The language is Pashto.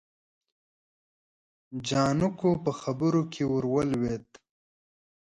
جانکو په خبره کې ور ولوېد.